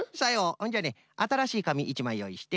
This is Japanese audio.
ほんじゃねあたらしいかみ１まいよういして。